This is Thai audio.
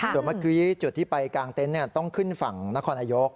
ส่วนเมื่อกี้จุดที่ไปกางเต็นต์ต้องขึ้นฝั่งนครนายก